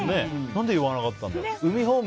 何で言わなかったんだろう。